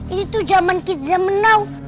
ini tuh zaman kidzamanau